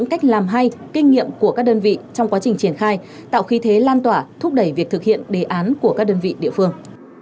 cách làm hay kinh nghiệm của các đơn vị trong quá trình triển khai tạo khí thế lan tỏa thúc đẩy việc thực hiện đề án của các đơn vị địa phương